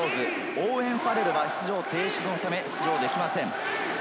オーウェン・ファレルは出場停止のため出場できません。